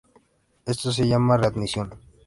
Esto se llama readmisión.